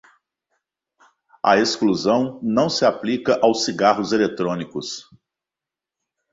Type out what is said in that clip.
A exclusão não se aplica aos cigarros eletrónicos.